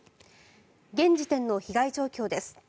現時点の被害状況です。